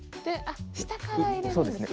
下から入れるんですね。